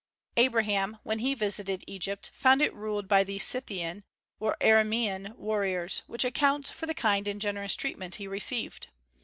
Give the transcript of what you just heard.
Abraham, when he visited Egypt, found it ruled by these Scythian or Aramaean warriors, which accounts for the kind and generous treatment he received.